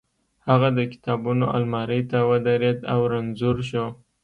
هغه د کتابونو المارۍ ته ودرېد او رنځور شو